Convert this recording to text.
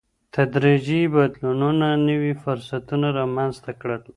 تدريجي بدلونونو نوي فرصتونه رامنځته کړل.